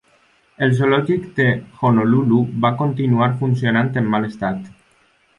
El zoològic de Honolulu va continuar funcionant en mal estat.